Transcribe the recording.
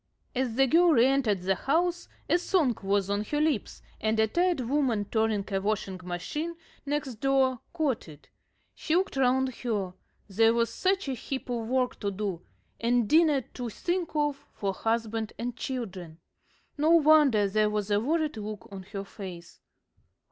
As the girl re entered the house a song was on her lips, and a tired woman turning a washing machine next door caught it. She looked round her there was such a heap of work to do and dinner to think of for husband and children. No wonder there was a worried look on her face.